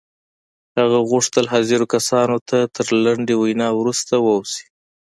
هغه غوښتل حاضرو کسانو ته تر لنډې وينا وروسته ووځي.